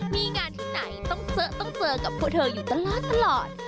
มีงานที่ไหนต้องเจอต้องเจอกับพวกเธออยู่ตลอด